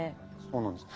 そうなんです。